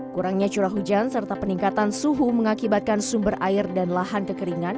kurangnya curah hujan serta peningkatan suhu mengakibatkan sumber air dan lahan kekeringan